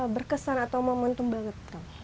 berkesan atau momentum banget